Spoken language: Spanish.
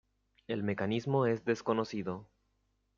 El mecanismo es desconocido.